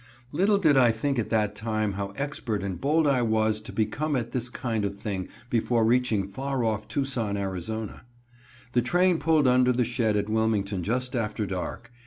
Little did I think at that time how expert and bold I was to become at this kind of thing before reaching far off Tucson, Arizona. The train pulled under the shed at Wilmington just after dark.